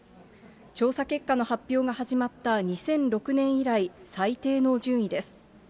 調査結果の発表が始まった２００６年以来、最低の順位です。